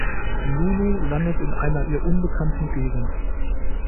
Lulu landet in einer ihr unbekannten Gegend.